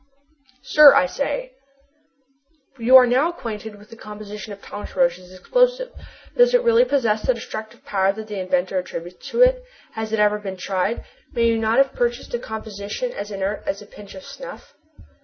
"Sir," I say, "you are now acquainted with the composition of Thomas Roch's explosive. Does it really possess the destructive power that the inventor attributes to it? Has it ever been tried? May you not have purchased a composition as inert as a pinch of snuff?"